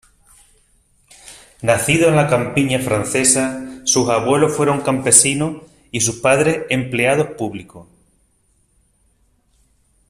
Nacido en la campiña francesa, sus abuelos fueron campesinos y sus padres empleados públicos.